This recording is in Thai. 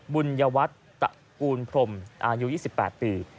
บุญยวัตรตะกูลพรมอายุ๒๘ปี